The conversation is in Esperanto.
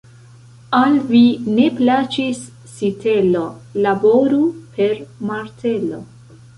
Al vi ne plaĉis sitelo, laboru per martelo.